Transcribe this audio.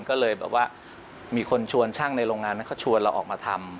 ก็เลยแบบว่ามีคนชวนช่างในโรงงานนั้นเขาชวนเราออกมาทำ